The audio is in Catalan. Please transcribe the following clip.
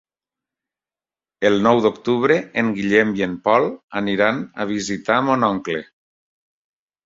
El nou d'octubre en Guillem i en Pol aniran a visitar mon oncle.